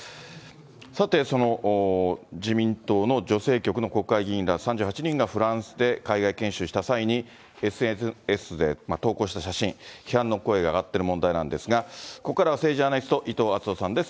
さて、その自民党の女性局の国会議員ら３８人がフランスで海外研修した際にＳＮＳで投稿した写真、批判の声が上がっている問題なんですが、ここからは政治アナリスト、伊藤惇夫さんです。